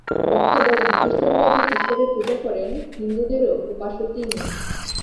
বক্তা বলেন, খ্রীষ্টানরা যে-ঈশ্বরের পূজা করেন, হিন্দুদেরও উপাস্য তিনিই।